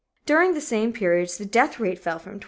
During the same periods, the death rate fell from 25.